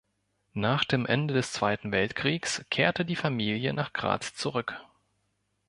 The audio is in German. Nach dem Ende des Zweiten Weltkriegs kehrte die Familie nach Graz zurück.